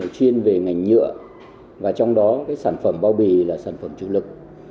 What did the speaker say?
chuyên về ngành nhựa và trong đó sản phẩm bao bì là sản phẩm chủ lực